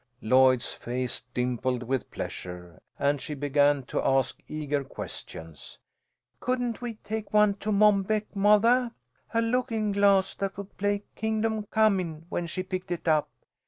Lloyd's face dimpled with pleasure, and she began to ask eager questions. "Couldn't we take one to Mom Beck, mothah? A lookin' glass that would play 'Kingdom Comin', when she picked it up?